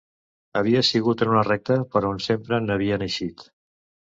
Havia sigut en una recta per on se n'havien eixit...